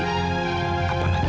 apalagi saat itu juga gak ada saksi